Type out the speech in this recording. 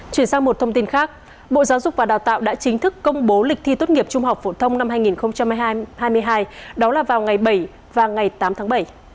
chuyển sang một thông tin khác bộ giáo dục và đào tạo đã chính thức công bố lịch thi tốt nghiệp trung học phổ thông năm hai nghìn hai mươi hai đó là vào ngày bảy và ngày tám tháng bảy